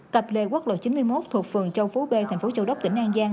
cặp lê quốc lộ chín mươi một thuộc phường châu phú b thành phố châu đốc tỉnh an giang